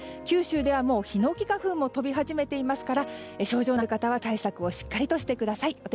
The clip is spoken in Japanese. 九州ではもうヒノキ花粉も飛び始めていますから症状のある方は対策をしっかりしてください。